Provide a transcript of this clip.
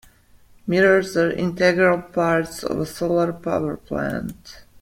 Mirrors are integral parts of a solar power plant.